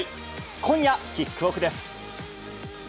今夜キックオフです。